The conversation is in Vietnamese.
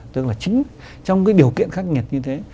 tức là chính trong cái điều kiện khắc nghiệt như thế